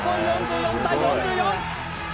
４４対４４。